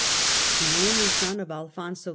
The only son of Alfonso VI.